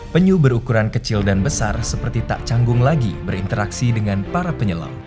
penyu berukuran kecil dan besar seperti tak canggung lagi berinteraksi dengan para penyelam